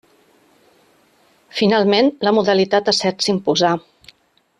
Finalment la modalitat a set s'imposà.